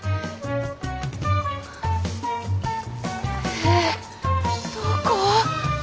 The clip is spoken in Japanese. えっどこ？